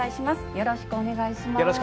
よろしくお願いします。